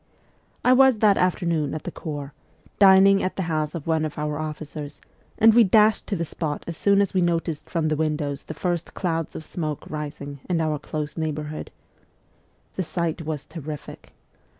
I was that afternoon at the Corps, dining at the house of one of our officers, and we dashed to the spot as soon as we noticed from the windows the first clouds of smoke rising in our close neighbourhood. The sight was terrific.'